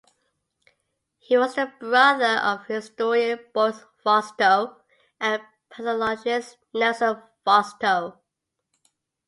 He was the brother of historian Boris Fausto and pathologist Nelson Fausto.